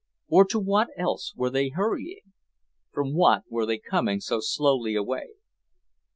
Or to what else were they hurrying? From what were they coming so slowly away?